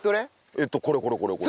えっとこれこれこれこれ。